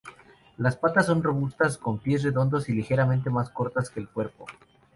Las patas son robustas, con pies redondos y ligeramente más cortas que el cuerpo.